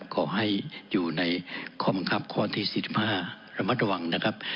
ขอให้อยู่ในข้อบังคับข้อที่๑๕ระมัดระวังนะครับ